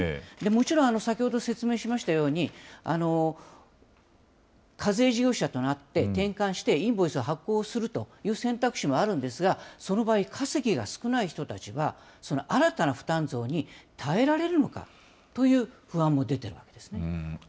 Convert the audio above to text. もちろん、先ほど説明しましたように、課税事業者となって転換して、インボイスを発行するという選択肢もあるんですが、その場合、稼ぎが少ない人たちが、新たな負担増に耐えられるのかという不安も出てくるんですね。